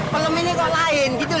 pelum ini kok lain gitu loh